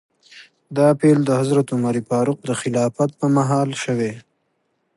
دا پیل د حضرت عمر فاروق د خلافت په مهال شوی.